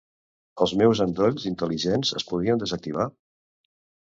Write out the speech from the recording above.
Els meus endolls intel·ligents es podrien desactivar?